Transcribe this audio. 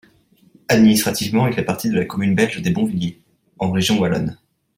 Administrativement il fait partie de la commune belge des Bons Villers, en Région wallonne.